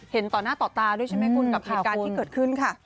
เห็นต่อต่อตาด้วยใช่มั้ยคุณกับเหตุการณ์ที่เกิดขึ้นค่ะ